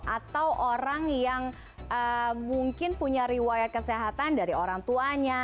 atau orang yang mungkin punya riwayat kesehatan dari orang tuanya